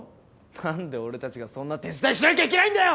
なんで俺たちがそんな手伝いしなきゃいけないんだよ！！